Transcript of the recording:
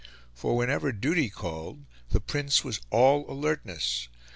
For whenever duty called, the Prince was all alertness.